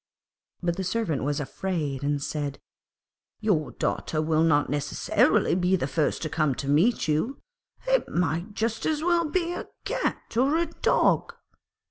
But the Servant was afraid, and said, 'Your daughter will not necessarily be the first to come to meet you; it might just as well be a cat or a dog.'